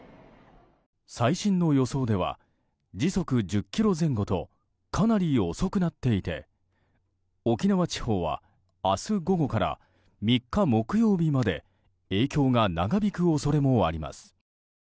最新の予想では時速１０キロ前後とかなり遅くなっていて沖縄地方は明日午後から３日木曜日まで影響が長引く恐れもあります。